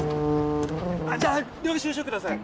じゃあ領収書ください！